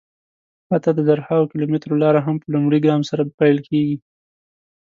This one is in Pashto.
حتی د زرهاوو کیلومترو لاره هم په لومړي ګام سره پیل کېږي.